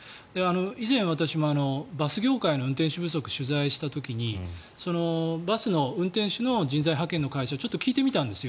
以前、私もバス業界の運転手不足を取材をした時にバスの運転手の人材派遣の会社にちょっと聞いてみたんです